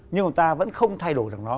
nhưng mà ta vẫn không thay đổi được nó